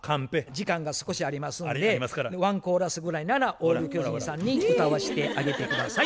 「時間が少しありますんでワンコーラスぐらいならオール巨人さんに歌わしてあげて下さい」。